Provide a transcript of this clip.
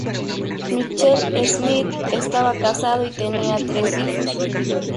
Michael Smith estaba casado y tenía tres hijos.